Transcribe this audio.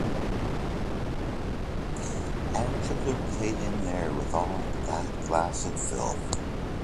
And children played in there with all that glass and filth.